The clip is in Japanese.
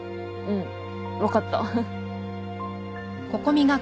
うん分かった。